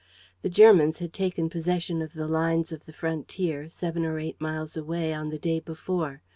The Germans had taken possession of the lines of the frontier, seven or eight miles away, on the day before.